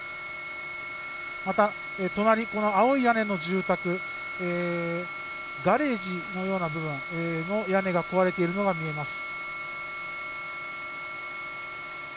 また、隣、この青い屋根の住宅、ガレージのような部分の屋根が壊れているのが見えます。